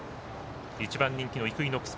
１番人気のイクイノックス。